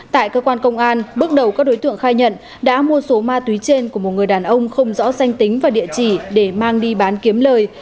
tại cơ quan công an bước đầu các đối tượng khai nhận đã mua số ma túy trên của một người đàn ông không rõ danh tính và địa chỉ để mang đi bán kiếm lời